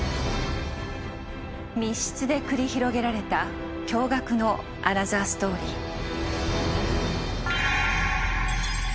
密室で繰り広げられた驚愕のアナザーストーリー。